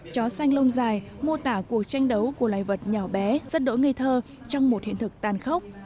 chó xanh lâu dài mô tả cuộc tranh đấu của loài vật nhỏ bé rất đỗi ngây thơ trong một hiện thực tàn khốc